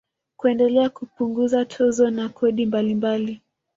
Kuendelea kupunguza tozo na kodi mbalimbali